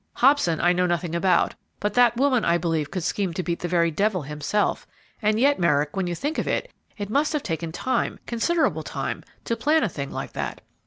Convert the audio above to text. "Hobson I know nothing about; but that woman I believe could scheme to beat the very devil himself; and yet, Merrick, when you think of it, it must have taken time considerable time to plan a thing like that."